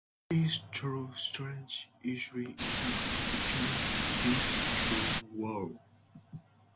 'Peace through strength' easily enough becomes 'peace through war.